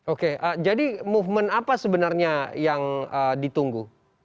oke jadi movement apa sebenarnya yang ditunggu